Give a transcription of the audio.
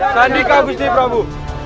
sandika gusti prabu